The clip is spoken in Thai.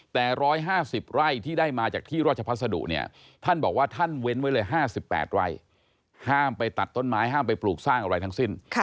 แต่๑๕๐ไร่ที่ได้มาจากที่ราชพัสดุเนี่ยท่านบอกว่าท่านเว้นไว้เลย๕๘ไร่ห้ามไปตัดต้นไม้ห้ามไปปลูกสร้างอะไรทั้งสิ้น